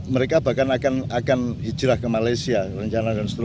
mereka bahkan akan hijrah ke malaysia